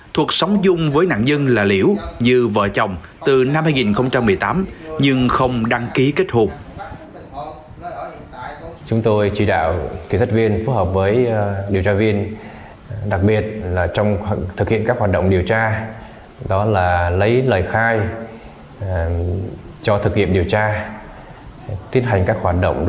thuật sống dung với nạn dân là liễu dư vợ chồng